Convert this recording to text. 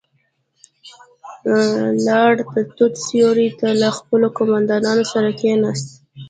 لاړ، د توت سيورې ته له خپلو قوماندانانو سره کېناست.